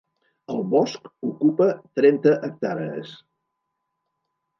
El bosc ocupa trenta hectàrees.